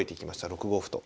６五歩と。